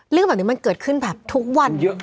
เรื่องแบบนี้มันเกิดขึ้นแบบทุกวัน